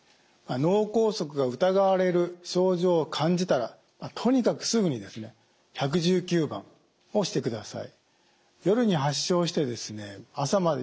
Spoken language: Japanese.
脳梗塞が疑われる症状を感じたらとにかくすぐに１１９番をしてください。